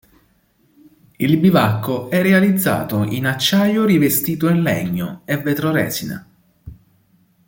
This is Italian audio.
Il bivacco è realizzato in acciaio rivestito in legno e vetroresina.